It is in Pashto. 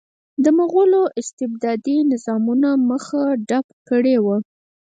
د مغولو استبدادي نظامونو مخه ډپ کړې وه.